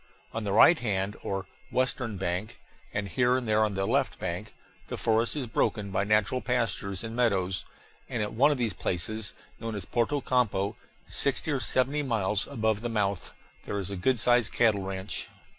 On the right hand, or western bank, and here and there on the left bank, the forest is broken by natural pastures and meadows, and at one of these places, known as Porto Campo, sixty or seventy miles above the mouth, there is a good sized cattle ranch.